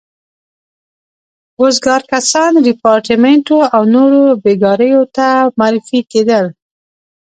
وزګار کسان ریپارټیمنټو او نورو بېګاریو ته معرفي کېدل.